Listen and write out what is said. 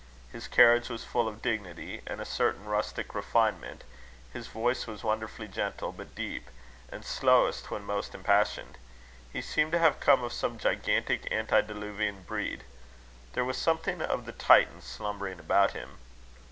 His carriage was full of dignity, and a certain rustic refinement; his voice was wonderfully gentle, but deep; and slowest when most impassioned. He seemed to have come of some gigantic antediluvian breed: there was something of the Titan slumbering about him.